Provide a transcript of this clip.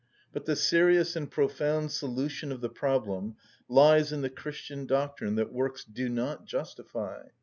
But the serious and profound solution of the problem lies in the Christian doctrine that works do not justify.